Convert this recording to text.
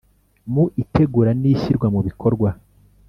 Mu itegura n ishyirwa mu bikorwa